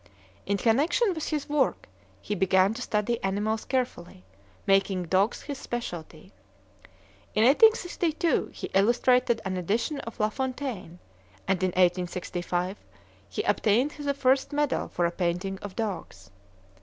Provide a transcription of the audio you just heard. In connection with his work, he began to study animals carefully, making dogs his specialty. In 1862 he illustrated an edition of La Fontaine, and in 1865 he obtained his first medal for a painting of dogs.